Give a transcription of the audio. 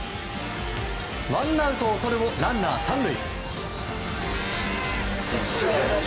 ワンアウトをとるもランナー、３塁。